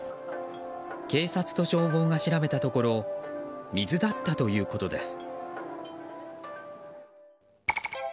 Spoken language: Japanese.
警察と消防が調べたところ水だったということです。